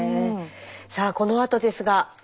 さあこのあとですが。